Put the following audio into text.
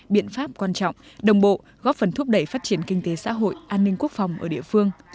biện pháp quan trọng đồng bộ góp phần thúc đẩy phát triển kinh tế xã hội an ninh quốc phòng ở địa phương